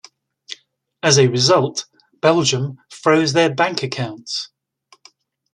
As a result, Belgium froze their bank accounts.